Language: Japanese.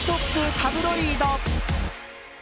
タブロイド。